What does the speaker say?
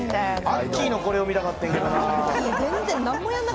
アッキーのこれが見たかったけどな。